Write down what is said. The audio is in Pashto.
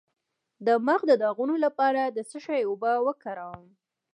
د مخ د داغونو لپاره د څه شي اوبه وکاروم؟